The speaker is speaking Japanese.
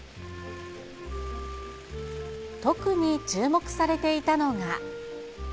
特に注目されていたのが。